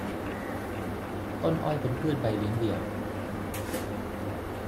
ต้นอ้อยเป็นพืชใบเลี้ยงเดี่ยว